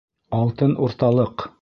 Алтын урталыҡ